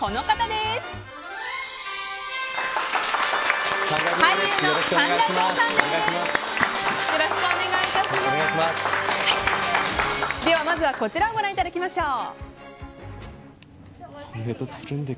ではまずは、こちらをご覧いただきましょう。